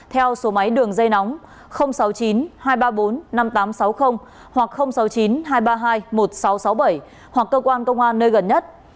theo số máy đường dây nóng sáu mươi chín hai trăm ba mươi bốn năm nghìn tám trăm sáu mươi hoặc sáu mươi chín hai trăm ba mươi hai một nghìn sáu trăm sáu mươi bảy hoặc cơ quan công an nơi gần nhất